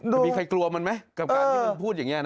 จะมีใครกลัวมันไหมกับการที่มันพูดอย่างนี้นะ